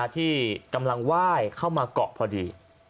ที่กำลังไหว้เข้ามาเกาะพอดี